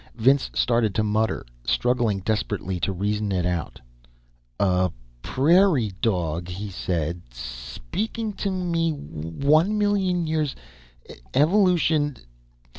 Vince started to mutter, struggling desperately to reason it out. "A prairie dog," he said. "Speaking to me. One million years. Evolution.